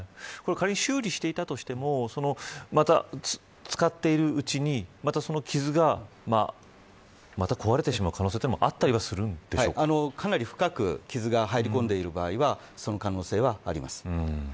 仮に修理していたとしてもまた使っているうちにまた、その傷がまた壊れてしまう可能性というのもあったりはかなり深く傷が入り込んでいる場合はその可能性はあります。